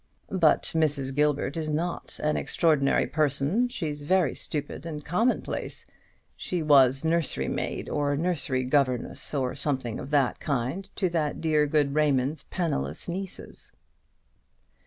"But Mrs. Gilbert is not an extraordinary person: she's very stupid and commonplace. She was nursery maid, or nursery governess, or something of that kind, to that dear good Raymond's penniless nieces."